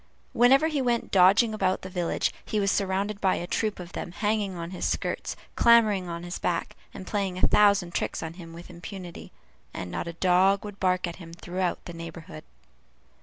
Whenever he went dodging about the village, he was surrounded by a troop of them hanging on his skirts, clambering on his back, and playing a thousand tricks on him with impunity; and not a dog would bark at him throughout the neighborhood.